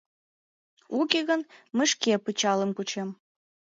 Уке гын, мый шке пычалым кучем!